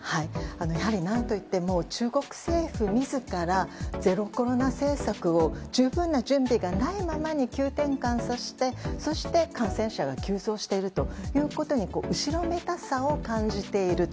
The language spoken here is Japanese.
やはり中国政府自らゼロコロナ政策を十分な準備がないまま急転換させてそして、感染者が急増しているということに後ろめたさを感じていると。